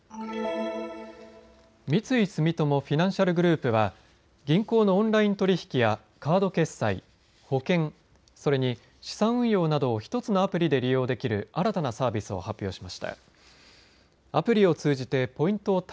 三井住友フィナンシャルグループは銀行のオンライン取り引きやカード決済、保険それに資産運用などを１つのアプリで利用できる新たなサービスを発表しました。